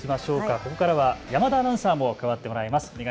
ここからは山田アナウンサーも加わってもらいます。